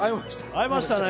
会えましたね。